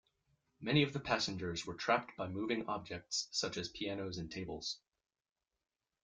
Many of the passengers were trapped by moving objects such as pianos and tables.